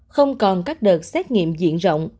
không còn các đợt xét nghiệm diện rộng